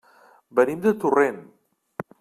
Venim de Torrent.